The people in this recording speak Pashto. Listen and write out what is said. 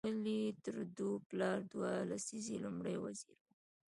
د ښاغلي ترودو پلار دوه لسیزې لومړی وزیر و.